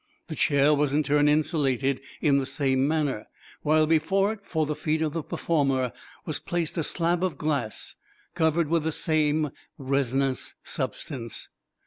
The chair was in turn insulated in the same manner, while before it for the feet of the performer was placed a slab of glass covered with the same resinous substance.